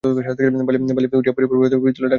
বালি উড়িয়া পড়িবার ভয়ে পিতলের ঢাকনায় থালা ঢাকা রহিয়াছে।